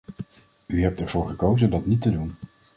U hebt ervoor gekozen dat niet te doen.